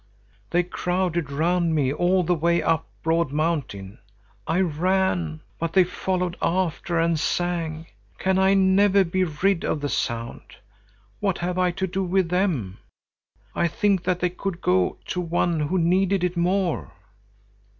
"They crowded round me all the way up Broad mountain. I ran, but they followed after and sang. Can I never be rid of the sound? What have I to do with them? I think that they could go to one who needed it more."